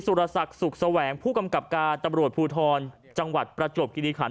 สุรศักดิ์สุขแสวงผู้กำกับการตำรวจภูทรจังหวัดประจวบคิริขัน